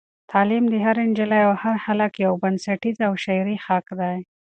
تعلیم د هرې نجلۍ او هر هلک یو بنسټیز او شرعي حق دی.